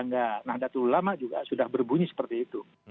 nah datul ulama juga sudah berbunyi seperti itu